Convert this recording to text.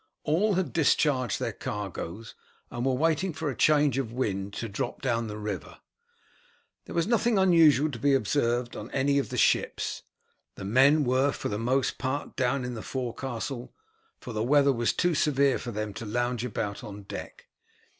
All had discharged their cargoes, and were waiting for a change of wind to drop down the river. There was nothing unusual to be observed on any of the ships. The men were for the most part down in the forecastle, for the weather was too severe for them to lounge about on deck.